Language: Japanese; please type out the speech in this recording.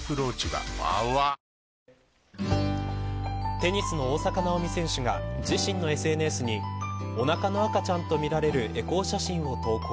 テニスの大坂なおみ選手が自身のＳＮＳにおなかの赤ちゃんとみられるエコー写真を投稿。